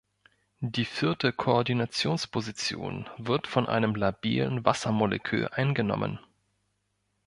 Die vierte Koordinationsposition wird von einem labilen Wassermolekül eingenommen.